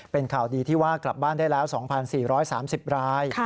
เป็นข่าวดีที่ว่ากลับบ้านได้แล้ว๒๔๓๐ราย